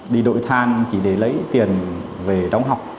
đi đội than chỉ để lấy tiền về đóng học